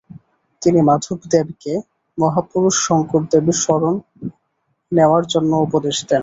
তিনি মাধবদেবকে মহাপুরুষ শংকরদেবের শরণ নেওয়ার জন্য উপদেশ দেন।